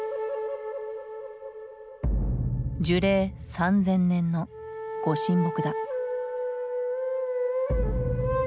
樹齢３，０００年の御神木だ。